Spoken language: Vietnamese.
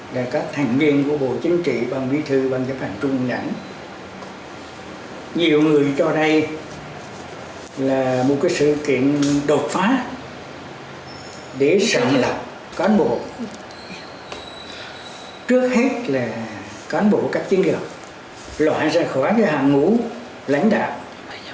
loại ra khỏi hạng ngũ lãnh đạo